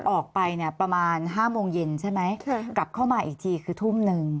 ออกไปเนี่ยประมาณ๕โมงเย็นใช่ไหมกลับเข้ามาอีกทีคือทุ่มหนึ่ง